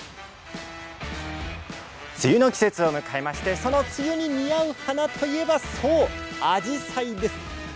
梅雨の季節を迎えましてその梅雨に似合う花といえばアジサイです。